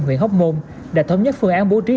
huyện hóc môn đã thống nhất phương án bố trí